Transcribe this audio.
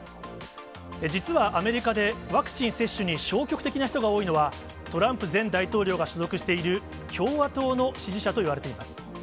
実はアメリカでワクチン接種に消極的な人が多いのは、トランプ前大統領が所属している共和党の支持者といわれています。